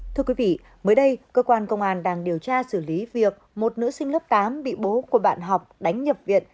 thưa quý vị mới đây cơ quan công an đang điều tra xử lý việc một nữ sinh lớp tám bị bố của bạn học đánh nhập viện